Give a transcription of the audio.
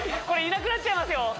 これいなくなっちゃいますよ